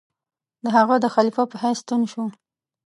د هغه د خلیفه په حیث ستون شو.